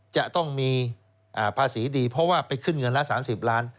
จะต้องมีภาษีดีเพราะว่าไปขึ้นเงินละ๓๐ล้าน